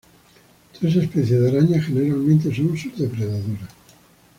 Tres especies de arañas generalmente son sus depredadoras.